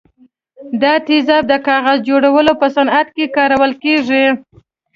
دا تیزاب د کاغذ جوړولو په صنعت کې کارول کیږي.